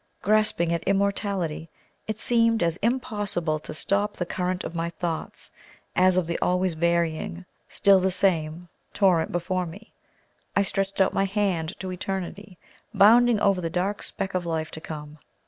Grasping at immortality it seemed as impossible to stop the current of my thoughts, as of the always varying, still the same, torrent before me; I stretched out my hand to eternity, bounding over the dark speck of life to come.